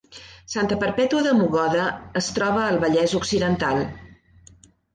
Santa Perpètua de Mogoda es troba al Vallès Occidental